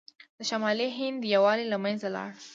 د شمالي هند یووالی له منځه لاړ.